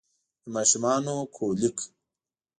د ماشومانه کولیک